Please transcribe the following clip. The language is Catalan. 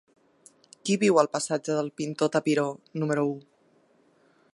Qui viu al passatge del Pintor Tapiró número u?